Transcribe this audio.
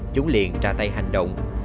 chúng liền ra tay hành động